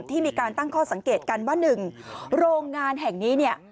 ที่มีการตั้งข้อสังเกตกันว่า๑โรงงานแห่งนี้เนี่ย